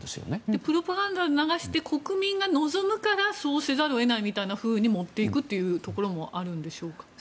プロパガンダを流して国民が望むからそうせざるを得ないみたいに持っていくというふうもあるんでしょうか。